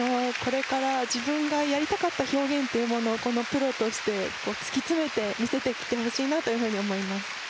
これから自分がやりたかった表現というものをこのプロとして突き詰めてみせてほしいなと思います。